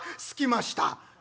『すきました』」。